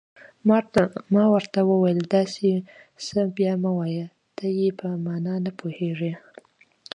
ما ورته وویل: داسې څه بیا مه وایه، ته یې په معنا نه پوهېږې.